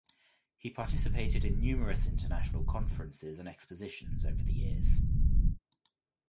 He participated in numerous international conferences and expositions over the years.